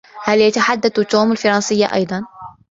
هل يتحدث توم الفرنسية ايضا؟